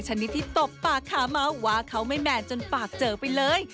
ชนิดที่ตบปากขาเมาว่าเขาไม่แมนจนปากเจอไปเลย